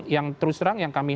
yang terus terang yang kami